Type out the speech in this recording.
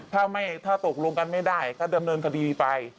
ถ้าตกลงกันไม่ได้ก็ดำเนินคดีไป